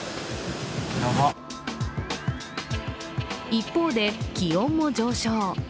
一方で気温も上昇。